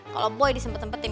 kalau boy disempet sempetin